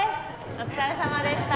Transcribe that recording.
お疲れさまでした。